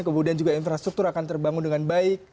kemudian juga infrastruktur akan terbangun dengan baik